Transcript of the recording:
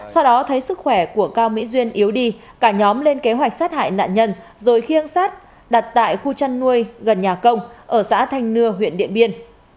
sau đó thấy sức khỏe của cao mỹ duyên yếu đi cả nhóm lên kế hoạch sát hại nạn nhân rồi khiêng sát đặt tại khu chăn nuôi gần nhà công ở xã thanh nưa huyện điện biên